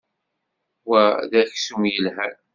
Wa d aksum yelhan.